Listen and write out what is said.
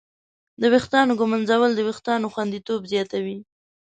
د ویښتانو ږمنځول د وېښتانو خوندیتوب زیاتوي.